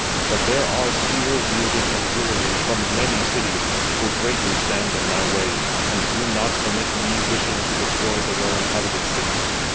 But there are spear wielding auxiliaries from many cities, who greatly stand in my way, and do not permit me wishing to destroy the well inhabited city.